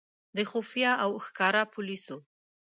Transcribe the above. د خفیه او ښکاره پولیسو.